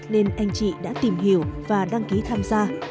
nên anh chị đã tìm hiểu và đăng ký tham gia